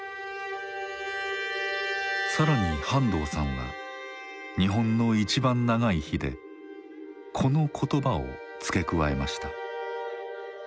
更に半藤さんは「日本のいちばん長い日」でこの言葉を付け加えました。